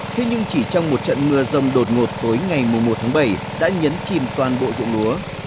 thế nhưng chỉ trong một trận mưa rông đột ngột tối ngày một tháng bảy đã nhấn chìm toàn bộ dụng lúa